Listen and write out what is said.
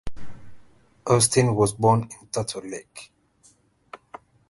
Austen was born in Turtle Lake.